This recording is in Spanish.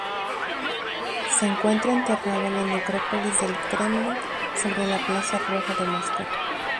Se encuentra enterrado en la necrópolis del Kremlin, sobre la Plaza Roja de Moscú.